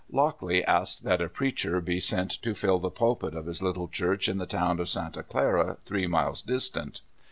Lockley asked that a preacher be sent to fill the pulpit of his Httle church in the town of Santa Clara, three miles distant.